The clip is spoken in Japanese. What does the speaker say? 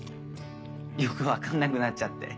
よく分かんなくなっちゃって。